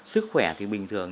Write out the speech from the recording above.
sức khỏe thì bình thường